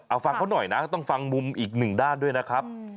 เอาฟังเขาหน่อยนะต้องฟังมุมอีกหนึ่งด้านด้วยนะครับ